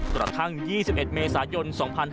กระทั่ง๒๑เมษายน๒๕๕๙